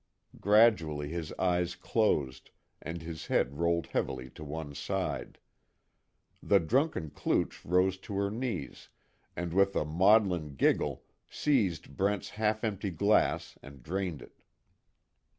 Gradually his eyes closed, and his head rolled heavily to one side. The drunken klooch rose to her knees, and with a maudlin giggle, seized Brent's half empty glass and drained it.